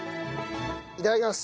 いただきます。